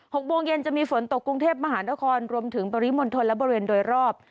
๖โมงเย็นจะมีฝนตกกรุงเทพมหานครรวมถึงปริมณฑลและบริเวณโดยรอบ